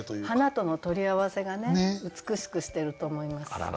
花との取り合わせがね美しくしてると思います。